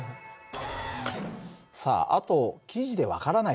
さああと記事で分からない